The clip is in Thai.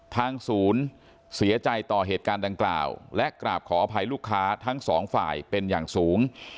ทางศูนย์เสียใจต่อเหตุการณ์ดังกล่าวและกราบขออภัยลูกค้าทั้งสองฝ่ายเป็นอย่างสูง